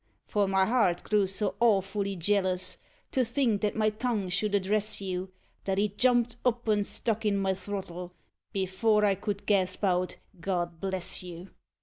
For my heart grew so awfully jealous To think that my tongue should address you, That it jumped up and stuck in my throttle Before I could gasp out "God bless you."